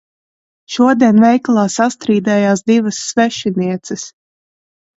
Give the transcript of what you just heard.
Šodien veikalā sastrīdējās divas svešinieces.